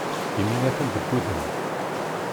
Imi atan deg wudem.